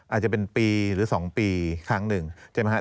อาจจะเป็นปีหรือ๒ปีครั้งหนึ่งใช่ไหมครับ